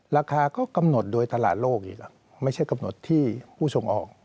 ราคาก็กำหนดโดยตลาดโลกอีกล่ะไม่ใช่กำหนดที่ผู้ส่งออก